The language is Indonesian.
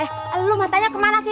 eh lu matanya kemana sih